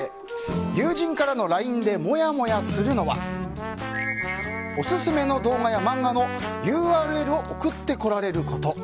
友人からのＬＩＮＥでモヤモヤするのはオススメの動画や漫画のＵＲＬを送ってこられること。